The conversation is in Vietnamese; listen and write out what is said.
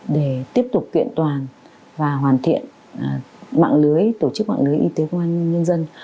để tiếp tục kiện toàn và hoàn thiện mạng lưới tổ chức mạng lưới y tế công an nhân dân